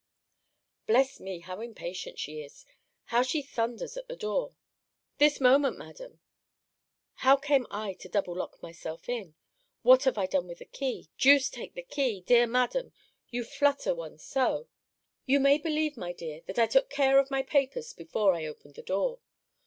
Bless me! how impatient she is! How she thunders at the door! This moment, Madam! How came I to double lock myself if! What have I done with the key! Duce take the key! Dear Madam! You flutter one so! You may believe, my dear, that I took care of my papers before I opened the door.